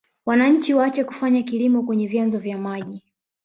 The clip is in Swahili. Wananchi waache kufanya kilimo kwenye vyanzo vya maji